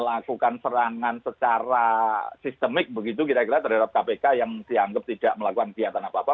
melakukan serangan secara sistemik begitu kira kira terhadap kpk yang dianggap tidak melakukan kegiatan apa apa